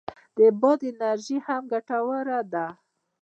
د باد انرژي هم ګټوره ده